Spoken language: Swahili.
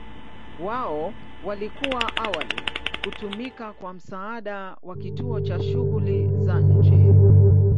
Wao walikuwa awali kutumika kwa msaada wa kituo cha shughuli za nje.